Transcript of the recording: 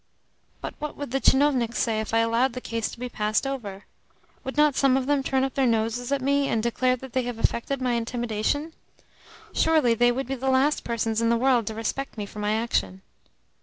"But what would the tchinovniks say if I allowed the case to be passed over? Would not some of them turn up their noses at me, and declare that they have effected my intimidation? Surely they would be the last persons in the world to respect me for my action?"